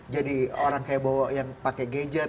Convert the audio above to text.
jadi orang kayak bowo yang pakai gadget